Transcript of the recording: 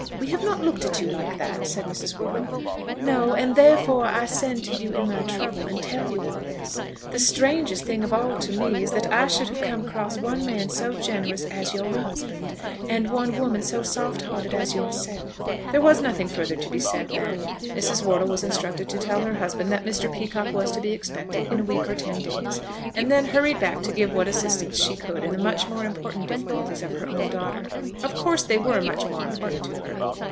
"We have not looked at you like that," said Mrs. Wortle. "No; and therefore I send to you in my trouble, and tell you all this. The strangest thing of all to me is that I should have come across one man so generous as your husband, and one woman so soft hearted as yourself." There was nothing further to be said then. Mrs. Wortle was instructed to tell her husband that Mr. Peacocke was to be expected in a week or ten days, and then hurried back to give what assistance she could in the much more important difficulties of her own daughter. Of course they were much more important to her.